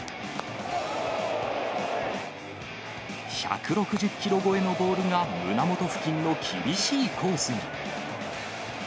１６０キロ超えのボールが胸元付近の厳しいコースに。